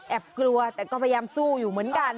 กลัวแต่ก็พยายามสู้อยู่เหมือนกัน